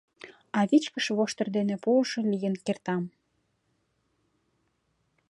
А вичкыж воштыр дене пуышо лийын кертам.